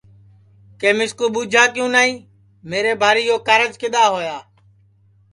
کہ مِسکو ٻوچھا کیوں نائی میرے بھاری یو کارج کِدؔا ہویا